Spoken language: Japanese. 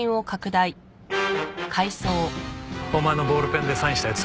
お前のボールペンでサインした奴